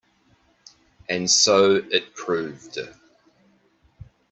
And so it proved.